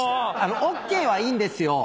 「オッケー」はいいんですよ。